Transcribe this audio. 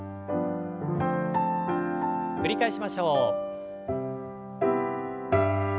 繰り返しましょう。